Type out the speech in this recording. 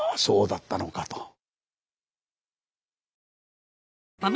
そうだったのかと。